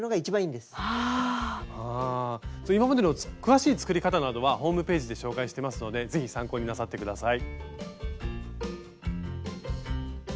今までの詳しい作り方などはホームページで紹介してますのでぜひ参考になさって下さい。